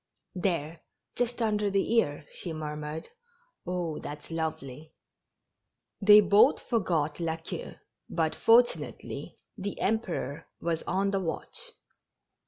" There, just under the ear," she murmured. " Oh, it's lovely!" They both forgot La Queue, but, fortunately, the Emperor was on the watch.